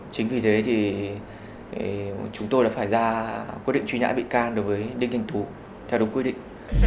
chính vì thế thì chúng tôi đã phải ra quyết định truy nã bị can đối với đinh thanh tú theo đúng quy định